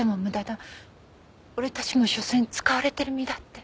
俺たちも所詮使われてる身だって。